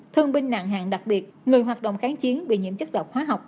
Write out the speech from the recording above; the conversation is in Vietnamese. thương binh nạn hạn đặc biệt người hoạt động kháng chiến bị nhiễm chất độc hóa học